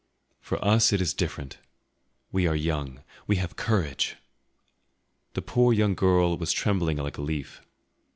For us, it is different; we are young, we have courage!" The poor young girl was trembling like a leaf.